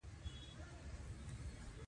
د خپل مېړه د مرګ په خاطر.